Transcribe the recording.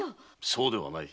そうではない。